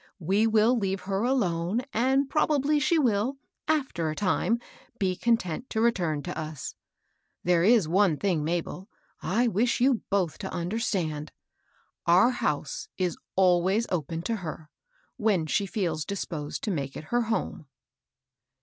We will leave her alone, and probably she will, after a lime, be caitent to return to us. There is one thing, Mabel, I wish you both to understand, — our house is always open to her, when she feels disposed to make it her home."